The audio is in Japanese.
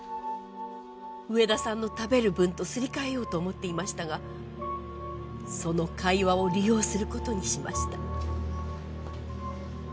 植田さんの食べる分とすり替えようと思っていましたがその会話を利用することにしました。